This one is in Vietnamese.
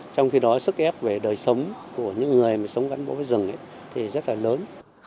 trong khi đó sức ép về đời sống của những người mà sống gắn bó với rừng thì rất là lớn